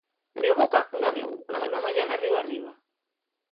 La mio boca un abrigu, una mañana ríu arriba.